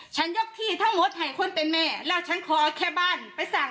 ยกที่ทั้งหมดให้คนเป็นแม่แล้วฉันขอแค่บ้านไปสั่ง